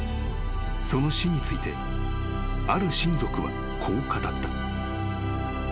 ［その死についてある親族はこう語った］